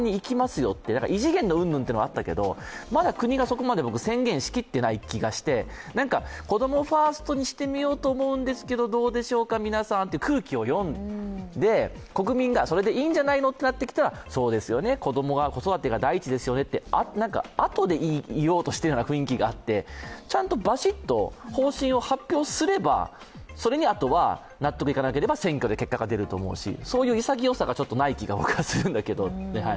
よって異次元のうんぬんってあったけど、まだ国が僕はそこまで宣言しきってない気がして、子供ファーストにしてみようと思うんですけどどうでしょうか皆さんという空気を読んで、国民がそれでいいんじゃないのってなってきたら、そうですよね、子供・子育てが第一ですよねと、あとで言おうとしているようでちゃんとバシッと方針を発表すればそれにあとは、納得いかなければ、選挙で結果が出ると思うしそういう潔さがないような気がするんですけど。